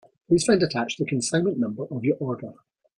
Please find attached the consignment number of your order.